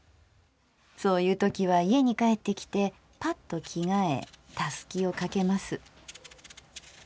そういうときは家に帰ってきてパッと着替えたすきをかけます。